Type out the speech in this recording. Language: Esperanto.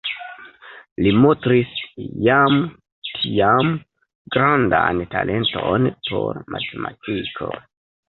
Li montris jam tiam grandan talenton por matematiko.